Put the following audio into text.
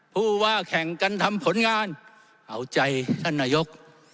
ผู้ว่าแข่งกันทำผลงานเอาใจท่านนายก